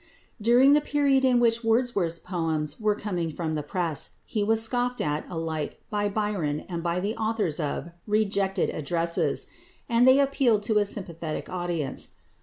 During the period in which Wordsworth's poems were coming from the press he was scoffed at alike by Byron and by the authors of "Rejected Addresses," and they appealed to a sympathetic audience.